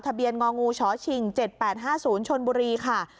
ทะเบียนงองูชชิงเจ็ดแปดห้าศูนย์ชนบุรีค่ะ